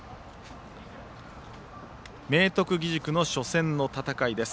明徳義塾の初戦の戦いです。